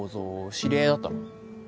知り合いだったの？